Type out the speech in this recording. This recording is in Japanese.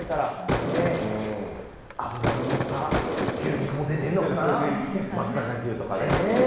脂ののった牛肉も出てるのか松阪牛とかね。